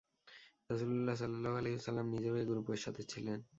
রাসূল সাল্লাল্লাহু আলাইহি ওয়াসাল্লাম নিজেও এ গ্রুপের সাথে ছিলেন।